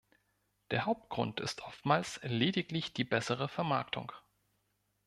Der Hauptgrund ist oftmals lediglich die bessere Vermarktung.